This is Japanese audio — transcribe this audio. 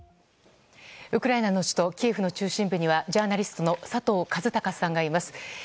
ウクライナの首都キエフの中心部にはジャーナリストの佐藤和孝さんがいます。